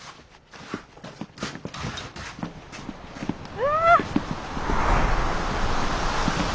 うわ！